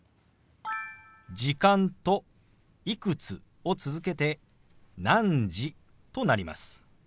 「時間」と「いくつ」を続けて「何時」となります。